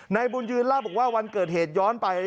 นายบุญยืนเล่าบอกว่าวันเกิดเหตุย้อนไป